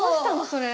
それ。